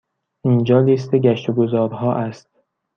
اینجا لیست گشت و گذار ها است.